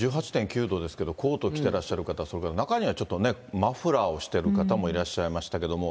１８．９度ですけど、コート着てらっしゃる方、それから中にはちょっとね、マフラーをしてる方もいらっしゃいましたけど。